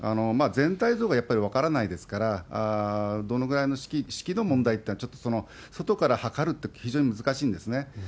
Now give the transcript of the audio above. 全体像がやっぱり分からないですから、どのぐらいの指揮、士気の問題っていうのは、ちょっと外から測るって、非常に難しいんですね。